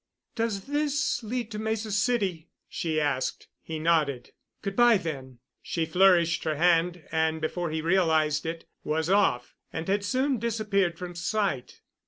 "Does this lead to Mesa City?" she asked. He nodded. "Good by, then." She flourished her hand and, before he realized it, was off and had soon disappeared from sight.